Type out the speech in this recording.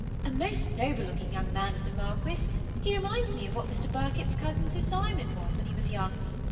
^^ A most noble looking young man is the Marquis — he reminds me of what Mr. Birkett's cousin Sir Simon was when he was young.